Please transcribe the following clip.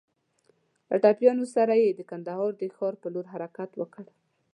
له ټپيانو سره يې د کندهار د ښار په لور حرکت وکړ.